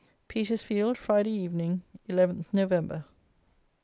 _Petersfield, Friday Evening, 11th November.